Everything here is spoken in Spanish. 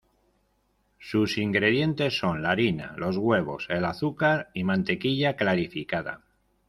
Sus ingredientes son la harina, los huevos, el azúcar y mantequilla clarificada.